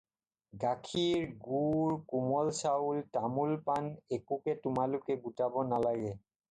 গাখীৰ, গুৰ, কোমল চাউল, তামোল-পাণ একোকে তোমালোকে গোটাব নালাগে।